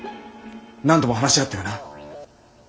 何度も話し合ったよな？